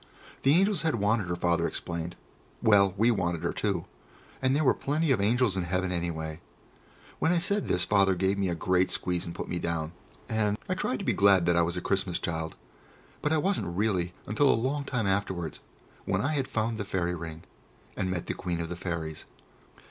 The angels had wanted her, Father explained; well, we wanted her too, and there were plenty of angels in heaven, anyway. When I said this Father gave me a great squeeze and put me down, and I tried to be glad that I was a Christmas child. But I wasn't really until a long time afterwards, when I had found the Fairy Ring, and met the Queen of the Fairies.